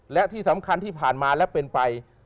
และที่สำคัญที่ผ่านมาและเป็นไป